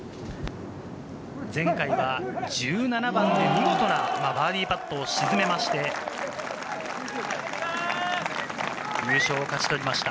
前回は１７番で見事なバーディーパットを沈めまして、優勝を勝ち取りました。